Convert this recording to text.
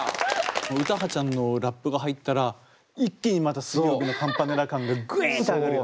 詩羽ちゃんのラップが入ったら一気にまた水曜日のカンパネラ感がグインって上がるよね。